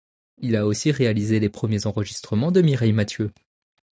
Il a aussi réalisé les premiers enregistrements de Mireille Mathieu.